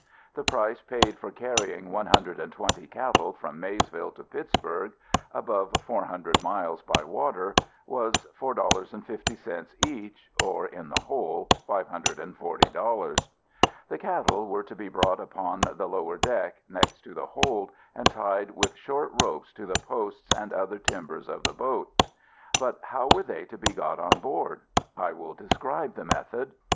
The price paid for carrying one hundred and twenty cattle from Maysville to Pittsburg above four hundred miles by water was $4 50 each; or, in the whole, $540. The cattle were to be brought upon the lower deck, next to the hold, and tied with short ropes to the posts and other timbers of the boat. But how were they to be got on board? I will describe the method.